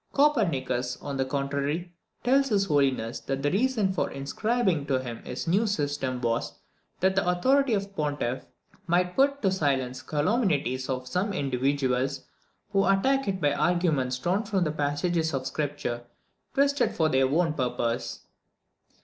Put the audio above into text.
Copernicus, on the contrary, tells his Holiness, that the reason of inscribing to him his new system was, that the authority of the Pontiff might put to silence the calumnies of some individuals, who attacked it by arguments drawn from passages of Scripture twisted for their own purpose.